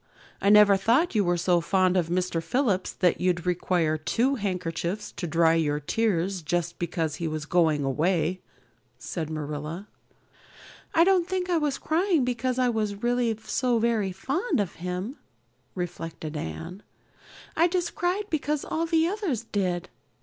"I never thought you were so fond of Mr. Phillips that you'd require two handkerchiefs to dry your tears just because he was going away," said Marilla. "I don't think I was crying because I was really so very fond of him," reflected Anne. "I just cried because all the others did.